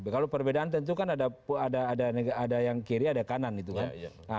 kalau perbedaan tentu kan ada yang kiri ada yang kanan